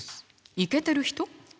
イケてる人？